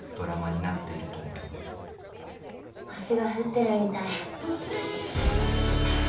「星が降ってるみたい」